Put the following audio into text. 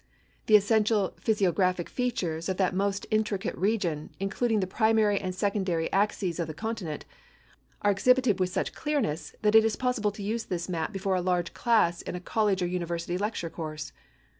The essential physiographic features of that most intricate region, including the primary and secondary axes of the continent, are exhibited with such clearness that it is possible to use this map before a large class in a college or university lecture course.